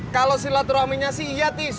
kalo silaturahminya sih iya tis